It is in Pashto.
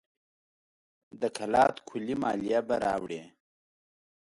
د کلات کلي مالیه به راوړي.